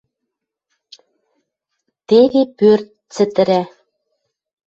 Теве пӧрт цӹтӹрӓ.